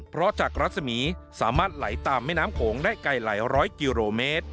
เพราะจากรัศมีร์สามารถไหลตามแม่น้ำโขงได้ไกลหลายร้อยกิโลเมตร